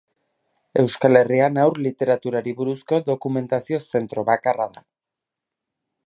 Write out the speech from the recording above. Euskal Herrian haur literaturari buruzko dokumentazio zentro bakarra da.